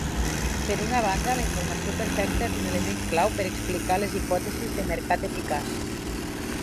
Per una banda, la informació perfecta és un element clau per explicar les hipòtesis de mercat eficaç.